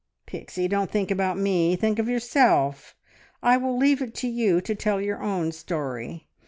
"Pixie, don't think about me ... think of yourself! I will leave it to you to tell your own story.